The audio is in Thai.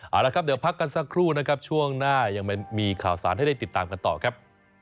เอาละครับเดี๋ยวพักกันสักครู่นะครับช่วงหน้ายังมีข่าวสารให้ได้ติดตามกันต่อครับ